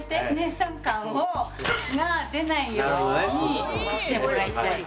姐さん感が出ないようにしてもらいたい。